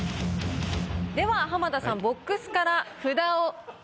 では浜田さんボックスから札を。